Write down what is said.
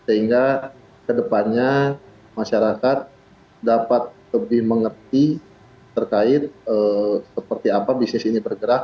sehingga kedepannya masyarakat dapat lebih mengerti terkait seperti apa bisnis ini bergerak